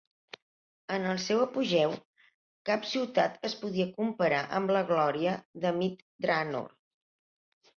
En el seu apogeu, cap ciutat es podia comparar amb la glòria de Myth Drannor.